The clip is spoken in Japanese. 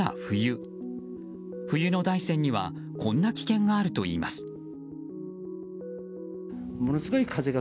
冬の大山にはこんな危険があるといいます。